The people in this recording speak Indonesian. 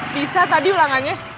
bisa tadi ulangannya